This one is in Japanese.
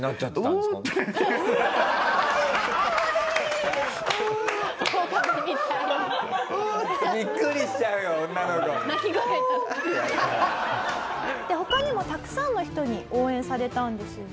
で他にもたくさんの人に応援されたんですよね？